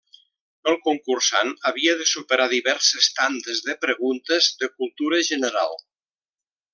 El concursant havia de superar diverses tandes de preguntes de cultura general.